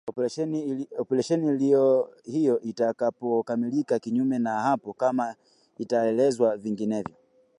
Operesheni hiyo itakapokamilika kinyume na hapo kama itaelekezwa vinginevyo